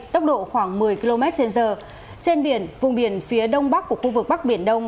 tốc độ khoảng một mươi km trên giờ trên biển vùng biển phía đông bắc của khu vực bắc biển đông